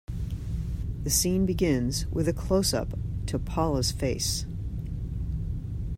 The scene begins with a closeup to Paula's face.